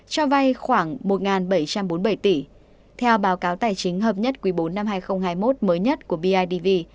cho vay khoảng một bảy trăm bốn mươi bảy tỷ theo báo cáo tài chính hợp nhất quý bốn năm hai nghìn hai mươi một mới nhất của bidv